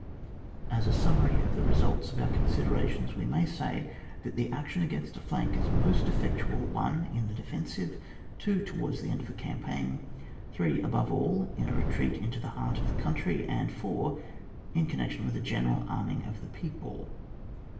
As a summary of the results of our considerations, we may say, that the action against a flank is most effectual— 1. In the defensive ; 2. Towards the end of a campaigpi ; 3. Above all, in a retreat into the heart of the country ; and 4. In connection with a general arm^ ing of the people.